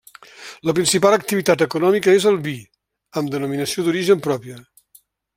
La principal activitat econòmica és el vi, amb denominació d'origen pròpia.